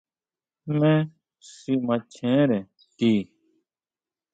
¿Jmé xi machjere ti?